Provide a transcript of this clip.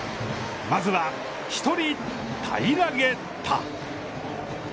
まずは１人、平らげた。